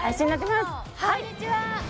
こんにちは！